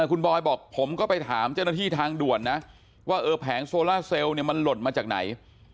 คุณบอยบอกผมก็ไปถามเจ้าหน้าที่ทางด่วนนะว่าเออแผงโซล่าเซลล์เนี่ยมันหล่นมาจากไหน